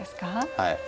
はい。